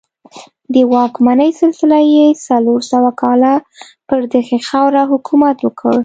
د واکمنۍ سلسله یې څلور سوه کاله پر دغې خاوره حکومت وکړ